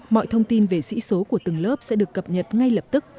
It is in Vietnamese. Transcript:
mọi thông tin về sĩ số của từng lớp sẽ được cập nhật ngay lập tức